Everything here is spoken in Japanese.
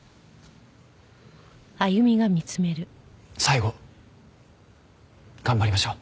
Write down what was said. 最後頑張りましょう。